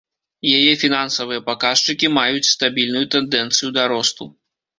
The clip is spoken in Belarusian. Яе фінансавыя паказчыкі маюць стабільную тэндэнцыю да росту.